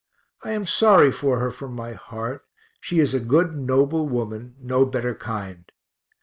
I am sorry for her from my heart; she is a good, noble woman, no better kind.